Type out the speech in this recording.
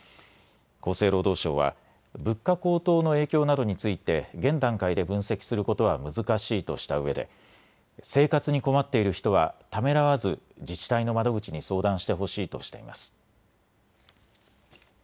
厚生労働省は物価高騰の影響などについて現段階で分析することは難しいとしたうえで生活に困っている人はためらわず自治体の窓口に相談してほしいとしています。